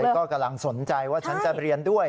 แล้วก็กำลังสนใจว่าฉันจะเรียนด้วย